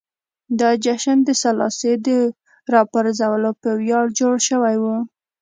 دا جشن د سلاسي د راپرځولو په ویاړ جوړ شوی و.